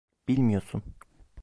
Bilmiyorsun.